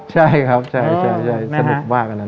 ใช่ครับใช่สนุกมาก